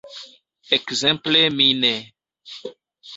Ekzemple mi ne.